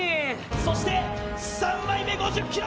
そして、３枚目５０ｋｇ。